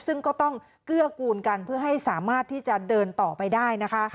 ซึ่งก็ต้องเกื้อกูลกันเพื่อให้สามารถที่จะเดินต่อไปได้นะคะ